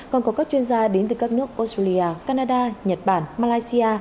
còn có các chuyên gia đến từ các nước australia canada nhật bản malaysia